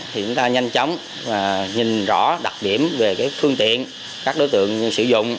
thì chúng ta nhanh chóng nhìn rõ đặc điểm về phương tiện các đối tượng sử dụng